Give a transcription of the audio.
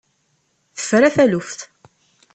Tefra taluft!